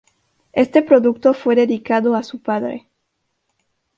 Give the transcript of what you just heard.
Este producto fue dedicado a su padre.